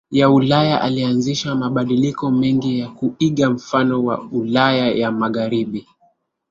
ya Ulaya Alianzisha mabadiliko mengi ya kuiga mfano wa Ulaya ya Magharibi